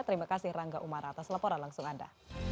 terima kasih rangga umar atas laporan langsung anda